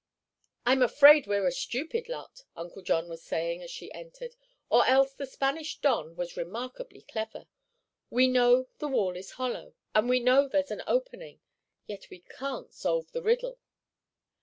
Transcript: "I'm afraid we're a stupid lot," Uncle John was saying as she entered; "or else the Spanish don was remarkably clever. We know the wall is hollow, and we know there's an opening, yet we can't solve the riddle."